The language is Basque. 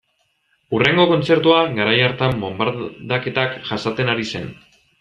Hurrengo kontzertua garai hartan bonbardaketak jasaten ari zen.